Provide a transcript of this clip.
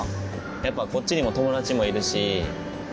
やっぱこっちにも友達もいるしいざ